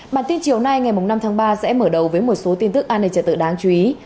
bản tin chiều nay ngày năm tháng ba sẽ mở đầu với một số tin tức an ninh trật tự đáng chú ý